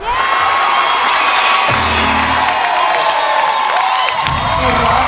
ร้องได้ไข่ล้าง